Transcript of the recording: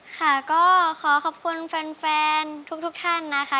ค่ะก็ขอขอบคุณแฟนทุกท่านนะคะ